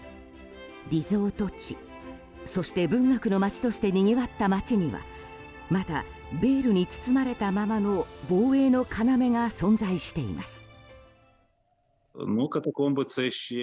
リゾート地そして、文学の街としてにぎわった街にはまだベールに包まれたままの防衛の要が存在しています。